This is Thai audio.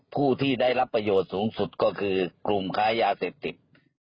ผู้ที่ได้รับประโยชน์สูงสุดก็คือกลุ่มค้ายาเสพติด